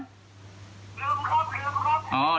ลืมครับลืมครับ